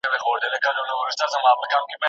مینه او ورورګلوې وکړی.